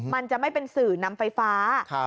มันจะไม่เป็นสื่อนำไฟฟ้า